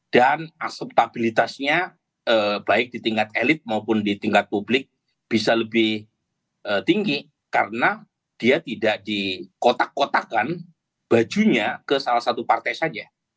dan aseptabilitasnya baik di tingkat elit maupun di tingkat publik bisa lebih tinggi karena dia tidak dikotak kotakan bajunya ke salah satu partai saja